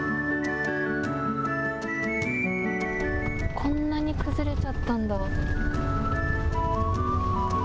こんなに崩れちゃったんだ。